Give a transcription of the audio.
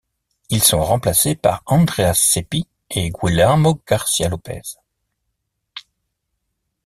Ils sont remplacés par Andreas Seppi et Guillermo García-López.